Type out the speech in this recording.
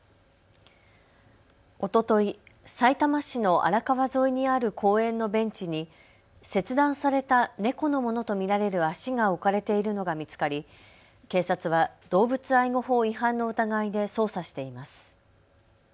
おととい、さいたま市の荒川沿いにある公園のベンチに切断された猫のものと見られる足が置かれているのが見つかり警察は動物愛護法違反の疑いで捜査しています。